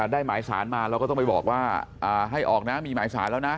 ได้หมายสารมาเราก็ต้องไปบอกว่าให้ออกนะมีหมายสารแล้วนะ